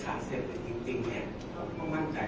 แต่ว่าไม่มีปรากฏว่าถ้าเกิดคนให้ยาที่๓๑